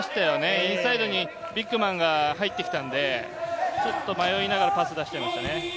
インサイドにビッグマンが入ってきたので、ちょっと迷いながらパスを出していましたね。